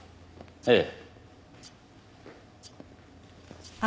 ええ。